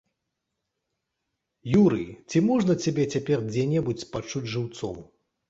Юрый, ці можна цябе цяпер дзе-небудзь пачуць жыўцом?